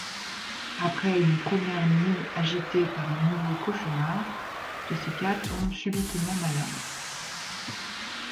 Après une première nuit agitée par un nouveau cauchemar, Jessica tombe subitement malade.